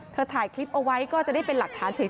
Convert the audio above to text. ถ่ายคลิปเอาไว้ก็จะได้เป็นหลักฐานเฉย